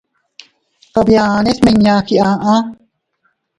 Kabiane smiña giaʼa.